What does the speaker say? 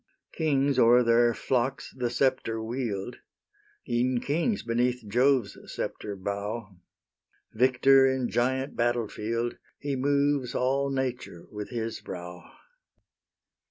Kings o'er their flocks the sceptre wield; E'en kings beneath Jove's sceptre bow: Victor in giant battle field, He moves all nature with his brow.